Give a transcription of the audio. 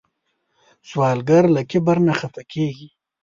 سوالګر له کبر نه خفه کېږي